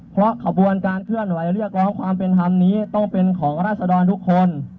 เพราะขบวนการเคลื่อนไหวเรียกร้องความเป็นธรรมนี้ต้องเป็นของราศดรทุกคน